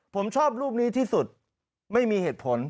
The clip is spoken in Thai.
ผมชอบรูปนี้ที่สุดไม่มีเหตุผล